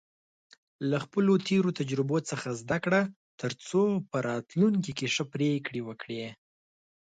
له خپلو تېرو تجربو څخه زده کړه، ترڅو په راتلونکي کې ښه پریکړې وکړې.